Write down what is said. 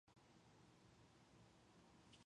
Langlie was born in Lanesboro, Minnesota.